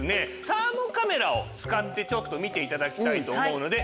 サーモカメラを使って見ていただきたいと思うので。